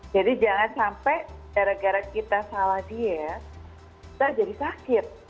jadi jangan sampai gara gara kita salah diet kita jadi sakit